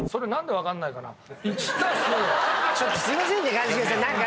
何で分かんないかな。